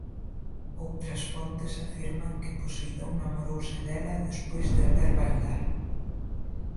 Outras fontes afirman que Poseidón namorouse dela despois de a ver bailar.